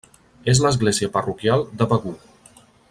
És l'església parroquial de Begur.